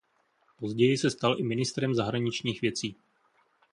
Později se stal i ministrem zahraničních věcí.